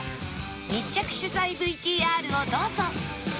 密着取材 ＶＴＲ をどうぞ